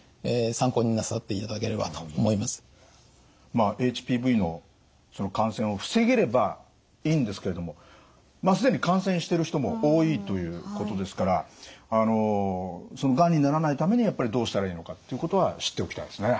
まあＨＰＶの感染を防げればいいんですけれどもまあ既に感染してる人も多いということですからあのがんにならないためにはやっぱりどうしたらいいのかっていうことは知っておきたいですね。